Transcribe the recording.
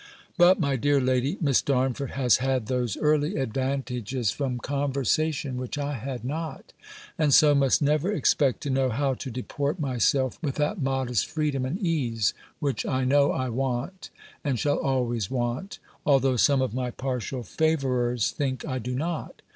But, my dear lady, Miss Darnford has had those early advantages from conversation, which I had not; and so must never expect to know how to deport myself with that modest freedom and ease, which I know I want, and shall always want, although some of my partial favourers think I do not.